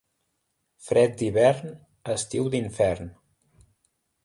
Fred d'hivern, estiu d'infern.